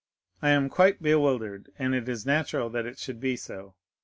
I am quite bewildered, and it is natural that it should be so.